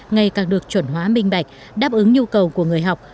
ngày càng được chuẩn hóa minh bạch đáp ứng nhu cầu của người học